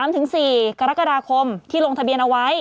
๓๔กรกฎาคมที่ลงทะเบียนเอาไว้